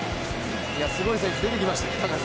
すごい選手、出てきました。